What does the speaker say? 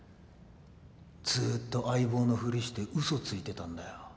ずっと相棒のふりしてうそついてたんだよ